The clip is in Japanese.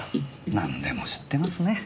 何でも知ってますね。